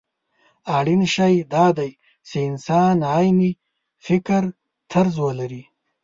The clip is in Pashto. اړين شی دا دی چې انسان عيني فکرطرز ولري.